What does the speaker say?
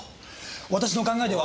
私の考えでは。